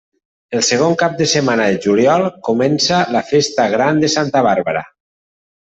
El segon cap de setmana de juliol comença la festa gran de Santa Bàrbara.